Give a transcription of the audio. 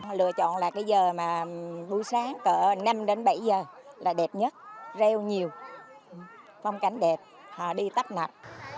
họ lựa chọn là cái giờ mà buổi sáng cỡ năm đến bảy giờ là đẹp nhất rêu nhiều phong cảnh đẹp họ đi tắp nập